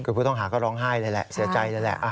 คือผู้ต้องหาก็ร้องไห้เลยแหละเสียใจเลยแหละ